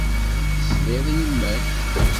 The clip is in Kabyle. Tesliḍ i yemma-k.